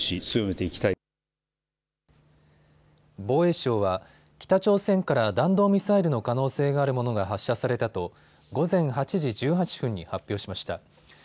防衛省は北朝鮮から弾道ミサイルの可能性があるものが発射されたと午前８時１８分に発表しました。